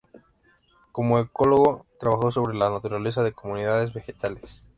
Como ecólogo, trabajó sobre la naturaleza de comunidades vegetales.